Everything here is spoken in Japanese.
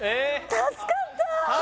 助かったー！